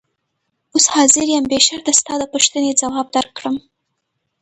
اوس حاضر یم بې شرطه ستا د پوښتنې ځواب درکړم.